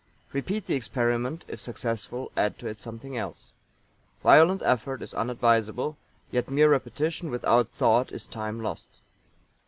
Repeat the experiment, if successful add to it something else. Violent effort is unadvisable, yet mere repetition without thought is time lost.